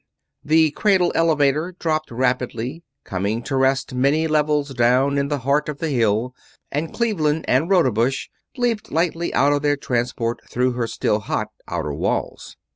The cradle elevator dropped rapidly, coming to rest many levels down in the heart of the Hill, and Cleveland and Rodebush leaped lightly out of their transport, through her still hot outer walls.